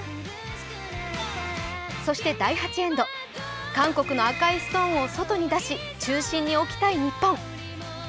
そして第８エンド、韓国の赤いストーンを外に出し、中心に置きたい日本。